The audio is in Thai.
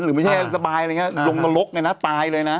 หรือไม่ใช่สบายอะไรอย่างนี้ลงตลกอย่างนี้นะตายเลยนะ